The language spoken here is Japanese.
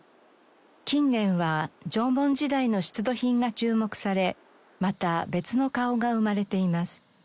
近年は縄文時代の出土品が注目されまた別の顔が生まれています。